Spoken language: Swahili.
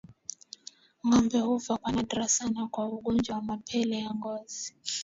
Ngombe hufa kwa nadra sana kwa ugonjwa wa mapele ya ngozi